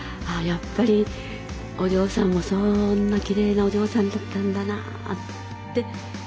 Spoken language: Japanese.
やっぱりお嬢さんもそんなきれいなお嬢さんだったんだなぁって。